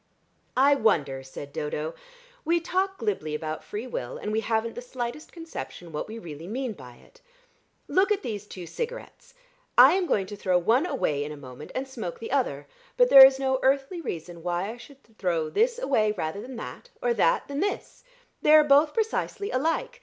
"I wonder," said Dodo. "We talk glibly about free will and we haven't the slightest conception what we really mean by it. Look at these two cigarettes! I am going to throw one away in a moment, and smoke the other, but there is no earthly reason why I should throw this away rather than that, or that than this: they are both precisely alike.